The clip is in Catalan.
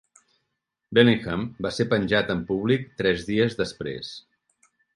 Bellingham va ser penjat en públic tres dies després.